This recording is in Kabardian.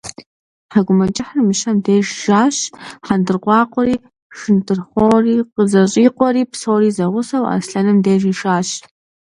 ТхьэкӀумэкӀыхьыр Мыщэм деж жащ, хьэндыркъуакъуэри, шындырхъуори къызэщӀикъуэри, псори зэгъусэу, Аслъэным деж ишащ.